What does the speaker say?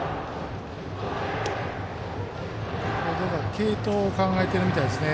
継投を考えているみたいですね。